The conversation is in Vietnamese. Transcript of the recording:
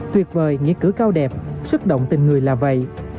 tuyệt vời nghĩa cử cao đẹp sức động tình người là vậy